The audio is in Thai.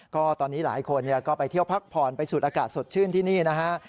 ก็ตอนนี้หลายคนก็ไปเที่ยวพักผ่อนไปสูดอากาศสดชื่นที่นี่นะฮะ